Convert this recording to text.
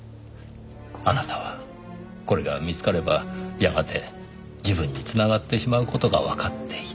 あなたはこれが見つかればやがて自分に繋がってしまう事がわかっていた。